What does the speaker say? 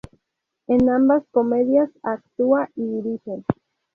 En ambas comedias actúa y dirige.